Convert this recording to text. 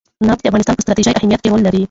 نفت د افغانستان په ستراتیژیک اهمیت کې رول لري.